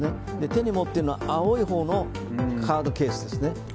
手に持っているのは青いほうのカードケースですね。